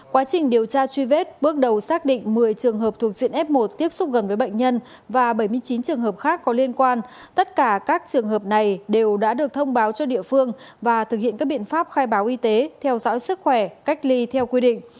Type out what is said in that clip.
quá trình điều tra truy vết bước đầu xác định một mươi trường hợp thuộc diện f một tiếp xúc gần với bệnh nhân và bảy mươi chín trường hợp khác có liên quan tất cả các trường hợp này đều đã được thông báo cho địa phương và thực hiện các biện pháp khai báo y tế theo dõi sức khỏe cách ly theo quy định